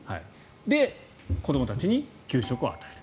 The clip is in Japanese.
で、子どもたちに給食を与える。